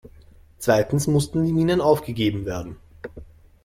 Zweitens mussten die Minen aufgegeben werden.